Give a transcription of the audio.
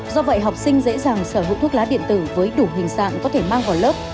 do vậy học sinh dễ dàng sở hữu thuốc lá điện tử với đủ hình dạng có thể mang vào lớp